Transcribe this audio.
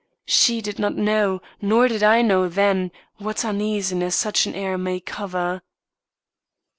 She did not know nor did I know then what uneasiness such an air may cover.